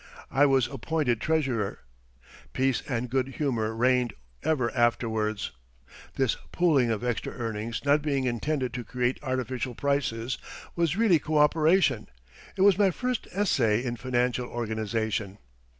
I was appointed treasurer. Peace and good humor reigned ever afterwards. This pooling of extra earnings not being intended to create artificial prices was really coöperation. It was my first essay in financial organization.